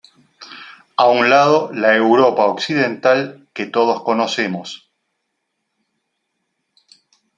A un lado, la europa occidental que todos conocemos.